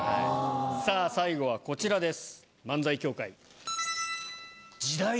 さぁ最後はこちらです。